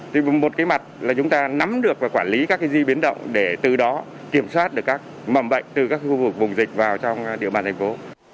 thì một cái mặt là chúng ta nắm được và quản lý các cái di biến động để từ đó kiểm soát được các mầm bệnh từ các khu vực vùng dịch vào trong địa bàn thành phố